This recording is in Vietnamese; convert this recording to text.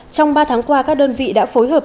trong ba tháng qua các đơn vị đã phối hợp